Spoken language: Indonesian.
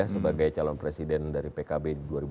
sebagai calon presiden dari pkb